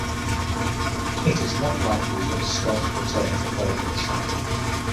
It is not likely that Scott returned to play for the side.